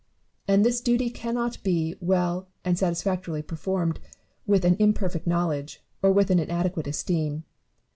And this duty cannot be well and satisfactorily performed with an imperfect knowledge, or with an inadequate esteem.